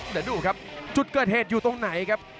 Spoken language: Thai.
เดี๋ยวดูครับจุดเกิดเหตุอยู่ตรงไหนครับ